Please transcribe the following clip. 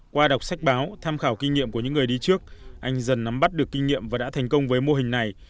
qua đọc sách báo tham khảo kinh nghiệm của những người đi trước anh dần nắm bắt được kinh nghiệm và đã thành công với mô hình này